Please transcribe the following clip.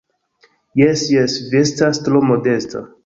Jes, jes, vi estas tro modesta.